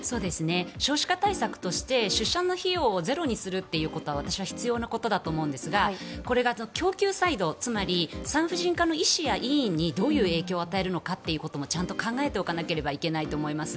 少子化対策として出産の費用をゼロにするということは私は必要なことだと思うんですがこれが供給サイドつまり産婦人科の医師や医院にどういう影響を与えるのかということをちゃんと考えておかなければいけないと思います。